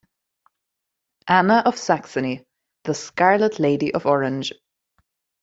"Anna of Saxony: The Scarlet Lady of Orange".